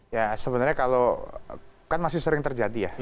ya sebenarnya kalau kan masih sering terjadi ya